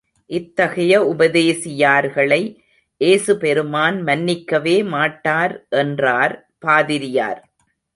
இத்தகைய உபதேசியார்களை ஏசுபெருமான் மன்னிக்கவே மாட்டார் என்றார் பாதிரியார்.